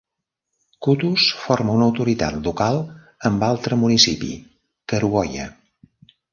Kutus forma una autoritat local amb altre municipi, Kerugoya.